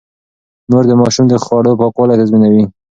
مور د ماشوم د خوړو پاکوالی تضمينوي.